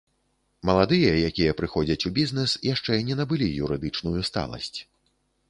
Маладыя, якія прыходзяць у бізнэс, яшчэ не набылі юрыдычную сталасць.